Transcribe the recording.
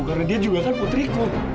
karena dia juga kan putriku